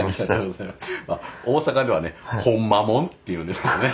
大阪ではね「ほんまもん」って言うんですけどね。